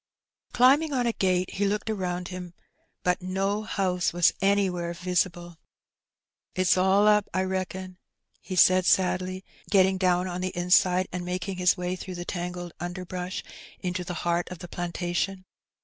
Climbing on a gate, he looked around him, but no house was anywhere visible. ''It's all up, I reckon," he said sadly, getting down on the inside and making his way through the tangled under growth into the heart of the plantation.